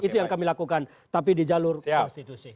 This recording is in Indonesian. itu yang kami lakukan tapi di jalur konstitusi